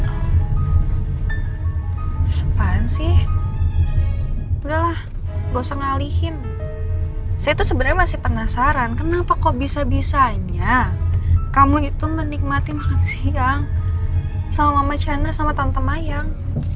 apaan sih udah lah gak usah ngalihin saya tuh sebenernya masih penasaran kenapa kok bisa bisanya kamu itu menikmati makan siang sama mama chana sama tante mayang